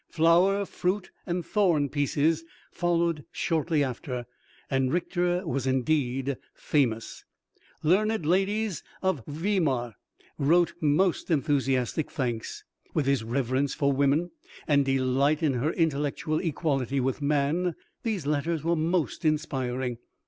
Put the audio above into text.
"Flower, Fruit, and Thorn Pieces" followed shortly after, and Richter was indeed famous. Learned ladies of Weimar wrote most enthusiastic thanks. With his reverence for woman, and delight in her intellectual equality with man, these letters were most inspiring.